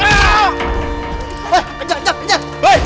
eh eh jangan eh jangan